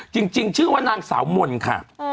จริงชื่อว่านางสาวมนต์ค่ะ